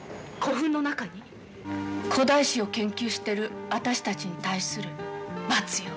古代史を研究している私たちに対する罰よ。